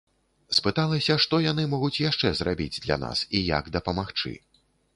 Спыталася, што яны могуць яшчэ зрабіць для нас, і як дапамагчы.